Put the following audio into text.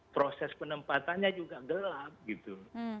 proses penempatannya juga gelap gitu